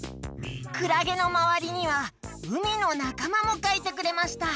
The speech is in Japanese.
くらげのまわりにはうみのなかまもかいてくれました。